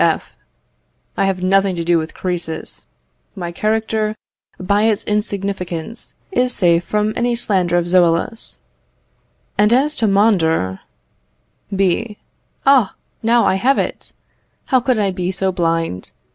F. I have nothing to do with Crœsus; my character, by its insignificance, is safe from any slanders of Zoilus; and as to Mondor B. Ah! now I have it. How could I be so blind?